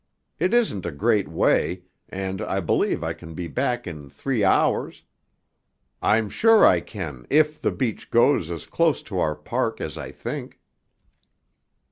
It isn't a great way, and I believe I can be back in three hours, I'm sure I can if the beach goes as close to our park as I think."